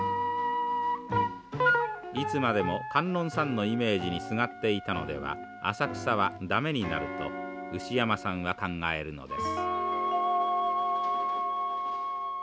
いつまでも観音さんのイメージにすがっていたのでは浅草は駄目になると牛山さんは考えるのです。